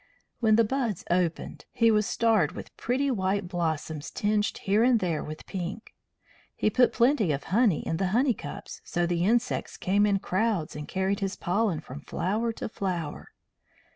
When the buds opened he was starred with pretty white blossoms tinged here and there with pink. He put plenty of honey in the honey cups, so the insects came in crowds and carried his pollen from flower to flower.